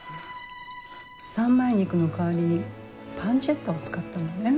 三枚肉の代わりにパンチェッタを使ったのね。